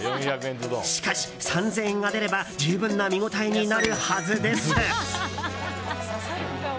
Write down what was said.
しかし、３０００円が出れば十分な見応えになるはずです。